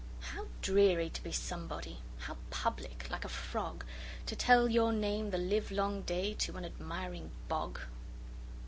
How dreary to be somebody! How public, like a frogTo tell your name the livelong dayTo an admiring bog!